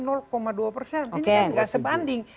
ini kan tidak sebanding